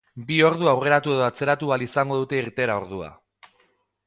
Bi ordu aurreratu edo atzeratu ahal izango dute irteera ordua.